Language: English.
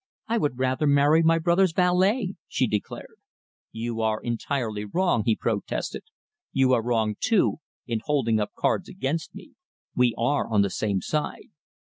"I would rather marry my brother's valet!" she declared. "You are entirely wrong," he protested. "You are wrong, too, in holding up cards against me. We are on the same side.